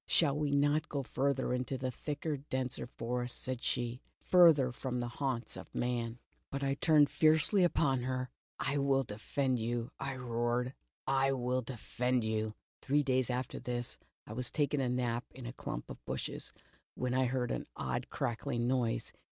'' 'Shall we not all go farther into the thicker denser forest,' said she, 'farther from the haunts of man ?'" But I turned fiercely upon her. ' I will de fend you,' I roared, ' I will defend you.' "Three days after this, I was taking a nap in a clump of bushes, when I heard an odd crackling noise.